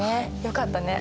よかったね。